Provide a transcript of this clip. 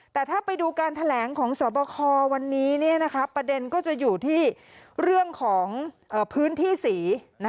แต่ถ้าไปดูการแถลงของสวบควันนี้ประเด็นก็จะอยู่ที่เรื่องของพื้นที่สี